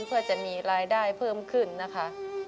เพื่อจะมีรายได้เพิ่มขึ้นนะคะ